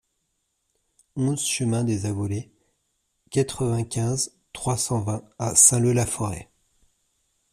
onze chemin des Avollées, quatre-vingt-quinze, trois cent vingt à Saint-Leu-la-Forêt